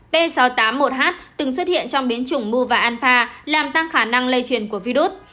p sáu trăm tám mươi một h từng xuất hiện trong biến chủng mu và anfa làm tăng khả năng lây truyền của virus